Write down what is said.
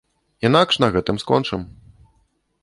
Інакш на гэтым скончым.